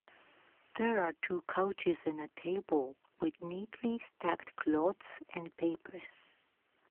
There are two couches and a table with neatly stacked clothes and papers